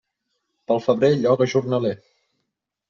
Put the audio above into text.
Pel febrer, lloga jornaler.